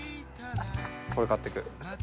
これ買っていく。